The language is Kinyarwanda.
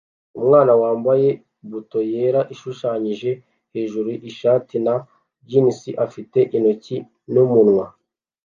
Umwana wambaye buto yera ishushanyije hejuru ishati na jans afite intoki mumunwa